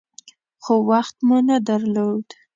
خو وخت مو نه درلود .